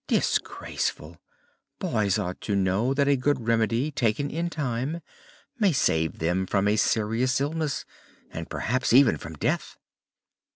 "Disgraceful! Boys ought to know that a good remedy taken in time may save them from a serious illness, and perhaps even from death."